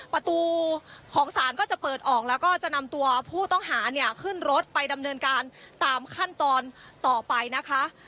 ประตูของศาลก็จะเปิดออกแล้วก็จะนำตัวผู้ต้องหาเนี่ยขึ้นรถไปดำเนินการตามขั้นตอนต่อไปนะคะ